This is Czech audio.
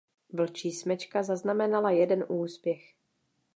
Vlčí smečka zaznamenala jeden úspěch.